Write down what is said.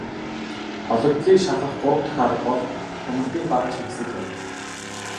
Гологдлыг шалгах гурав дахь арга бол хяналтын багажхэрэгслэл юм.